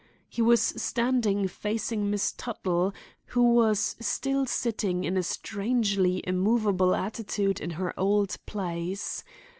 He was standing facing Miss Tuttle, who was still sitting in a strangely immovable attitude in her old place.